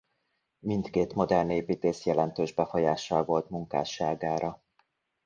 Mindkét modern építész jelentős befolyással volt munkásságára.